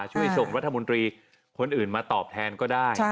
ช่วยชมรัฐมนตรีคนอื่นมาตอบแทนก็ได้